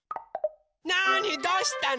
なあにどうしたの？